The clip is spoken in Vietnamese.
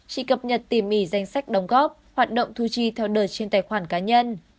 chỉ cập nhật tìm mỉ danh sách đóng gốc hoạt động thu chi theo đời trên tài khoản cá nhân